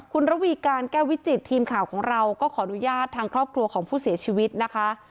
คุณระวีการแก้ววิจิตทีมข่าวของเราก็ขออนุญาตทางครอบครัวของผู้เสียชีวิตนะคะ